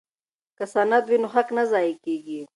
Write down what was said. که سند وي نو حق نه ضایع کیږي.